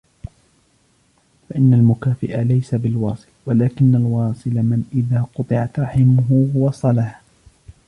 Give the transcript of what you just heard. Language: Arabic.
فَإِنَّ الْمُكَافِئَ لَيْسَ بِالْوَاصِلِ وَلَكِنَّ الْوَاصِلَ مَنْ إذَا قُطِعَتْ رَحِمُهُ وَصَلَهَا